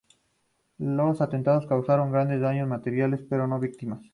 Los atentados causaron grandes daños materiales pero no víctimas.